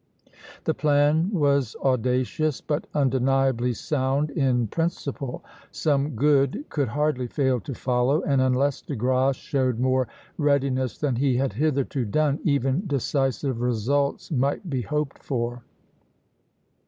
The plan was audacious, but undeniably sound in principle; some good could hardly fail to follow, and unless De Grasse showed more readiness than he had hitherto done, even decisive results might be hoped for.